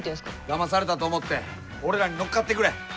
だまされたと思って俺らに乗っかってくれ！